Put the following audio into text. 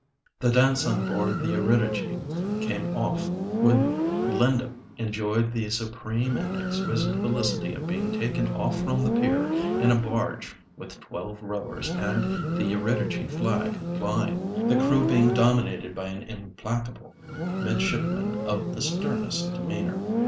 The dance on board the Eurydice came off, when Linda enjoyed the supreme and exquisite felicity of being taken off from the pier in a barge with twelve rowers and the Eurydice flag flying; the crew being dominated by an implacable midshipman of the sternest demeanour.